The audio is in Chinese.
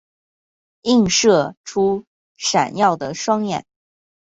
映射出闪烁的双眼